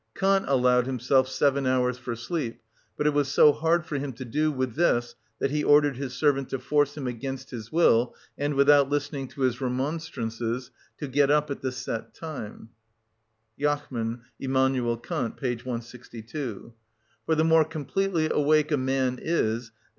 Kant allowed himself seven hours for sleep, but it was so hard for him to do with this that he ordered his servant to force him against his will, and without listening to his remonstrances, to get up at the set time (Jachmann, Immanuel Kant, p. 162). For the more completely awake a man is, _i.